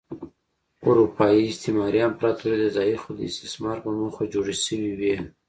اروپايي استعماري امپراتورۍ د ځايي خلکو د استثمار په موخه جوړې شوې وې.